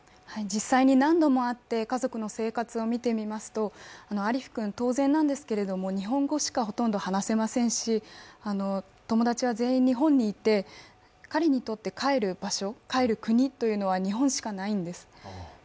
実際に何度も会って家族の生活を見てみますと、アリフ君、当然なんですけれども、日本語しかほとんど話せませんし、友達は全員日本にいて彼にとって帰る場所、帰る国は日本しかないんです。